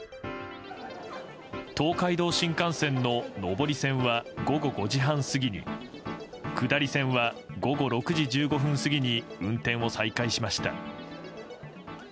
東海道新幹線の上り線は午後５時半過ぎに下り線は午後６時１５分過ぎに運転を再開しました。